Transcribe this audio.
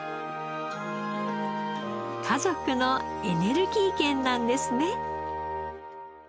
家族のエネルギー源なんですね。